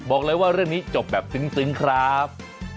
บอกเลยว่าเรื่องนี้จบแบบซึ้งครับ